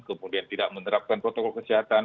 kemudian tidak menerapkan protokol kesehatan